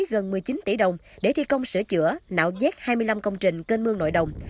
gần một mươi chín tỷ đồng để thi công sửa chữa nạo vét hai mươi năm công trình kênh mương nội đồng